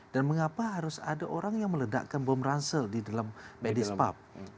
dan mengapa harus ada orang yang meledakkan bom ransel di dalam medis pub